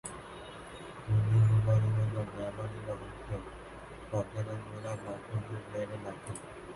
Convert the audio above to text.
মন্দির নির্মাণের জন্য ব্যবহৃত হত প্রধানত চুনাপাথর ও বেলেপাথর।